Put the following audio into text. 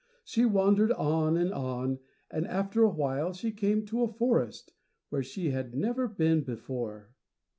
She wandered on and on, and after a while she came to a forest, where she had never been before.